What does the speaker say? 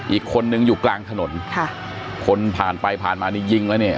อีกคนนึงอยู่กลางถนนค่ะคนผ่านไปผ่านมานี่ยิงแล้วเนี่ย